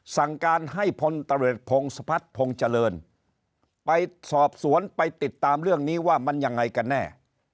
สั่งการให้ตำรวจพมสภรรษฐพเจรินไปสอบสวนไปติดตามเรื่องนี้ว่ามันยังไงก็แน่